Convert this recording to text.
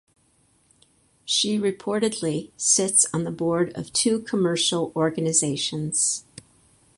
She reportedly "sits on the board of two commercial organisations".